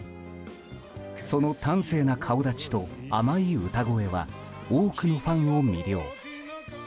その端正な顔立ちと甘い歌声は多くのファンを魅了。